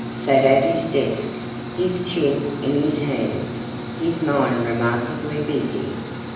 sat at his desk, his chin in his hands, his mind remarkably busy.